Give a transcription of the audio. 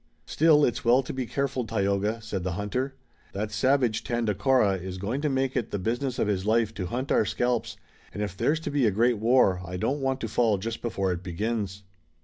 "Still, it's well to be careful, Tayoga," said the hunter. "That savage, Tandakora, is going to make it the business of his life to hunt our scalps, and if there's to be a great war I don't want to fall just before it begins."